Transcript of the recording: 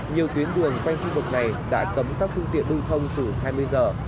nhiều tuyến đường quanh khu vực này đã cấm các phương tiện lưu thông từ hai mươi giờ